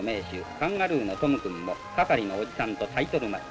カンガルーのトム君も係のおじさんとタイトルマッチ。